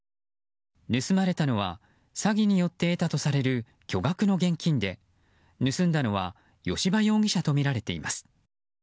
盗まれたのは詐欺によって得たとされる巨額の現金で盗んだのは吉羽容疑者とみられています。